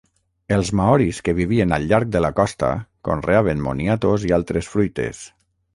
Els maoris que vivien al llarg de la costa conreaven moniatos i altres fruites.